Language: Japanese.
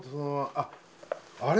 あっあれ！